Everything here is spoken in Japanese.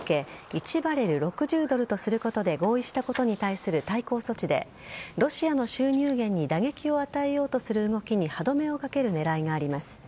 １バレル６０ドルとすることで合意したことに対する対抗措置でロシアの収入源に打撃を与えようとする動きに歯止めをかける狙いがあります。